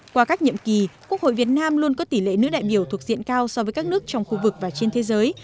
qua các nhiệm kỳ quốc hội việt nam luôn có tỷ lệ nữ đại biểu thuộc diện cao so với các nước trong khu vực và trên thế giới